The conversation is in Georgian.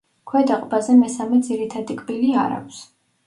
ქვედა ყბაზე მესამე ძირითადი კბილი არ აქვს.